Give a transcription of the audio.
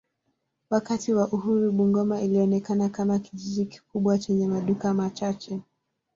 Wakati wa uhuru Bungoma ilionekana kama kijiji kikubwa chenye maduka machache.